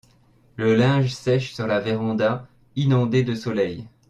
Le linge sèche sur la véranda inondée de soleil.